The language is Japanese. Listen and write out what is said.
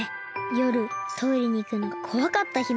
よるトイレにいくのがこわかった姫。